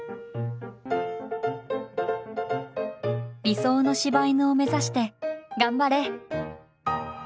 理想の柴犬を目指して頑張れ！